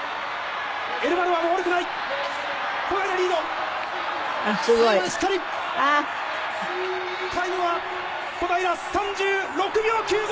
「エルバノバも悪くない」「小平リード」「最後までしっかり」「タイムは小平３６秒９５。